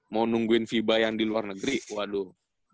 mau nungguin viva yang di luar negeri waduh